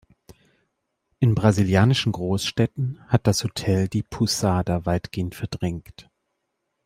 In brasilianischen Großstädten hat das Hotel die Pousada weitgehend verdrängt.